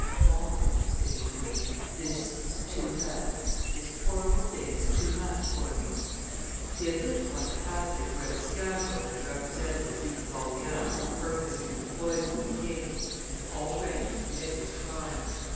'All,' said he to me, 'this is too bad, this horrid thing is too much for me.' He had lit upon the passage where the scoundrel had represented the Duke of Orleans purposing to poison the king, and all ready to commit his crime.